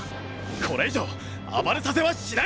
これ以上暴れさせはしないぞ！